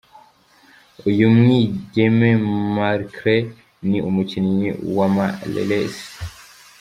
Uyu mwigeme Markle, ni umukinyi w'ama lelesi.